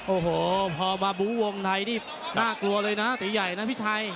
โอ้โหพอมาบู้วงในนี่น่ากลัวเลยนะตีใหญ่นะพี่ชัย